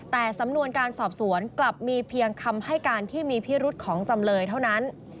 แต่สำนวนการสอบสวนกลับมีเพียงคำให้การที่มีพิรุษของจำเลยเท่านั้น